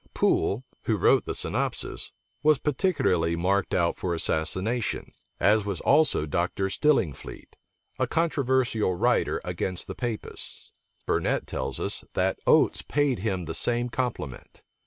Poole, who wrote the Synopsis, was particularly marked out for assassination; as was also Dr. Stillingfleet, a controversial writer against the Papists. Burnet tells us, that Oates paid him the same compliment.